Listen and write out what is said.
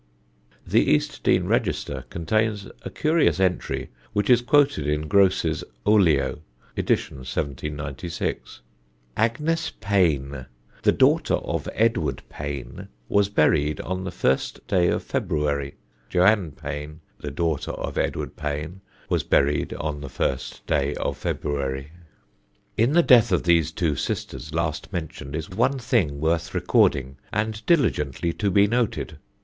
The East Dean register contains a curious entry which is quoted in Grose's Olio, ed. 1796: "Agnes Payne, the daughter of Edward Payne, was buried on the first day of February. Johan Payne, the daughter of Edward Payne, was buried on the first day of February. "In the death of these two sisters last mentioned is one thing worth recording, and diligently to be noted.